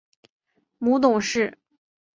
母董氏。